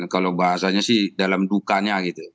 kalau bahasanya sih dalam dukanya gitu